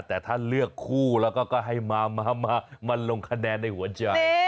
แต่ถ้าเลือกคู่แล้วก็ให้มาลงคะแนนในหัวใจ